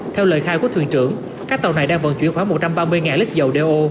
theo lời khai của thuyền trưởng các tàu này đang vận chuyển khoảng một trăm ba mươi lít